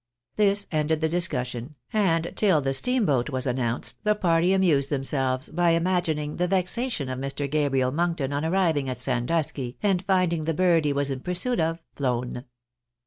This ended the discussion ; and till the steamboat was announced the party amused themselves by imagining the vexation of Mr. Gabriel Monkton on arriving at Sandusky, and finding the bird he was in pursuit of ilown.